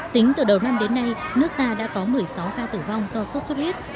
tính từ đầu năm đến nay nước ta đã có một mươi sáu ca tử vong do sốt xuất huyết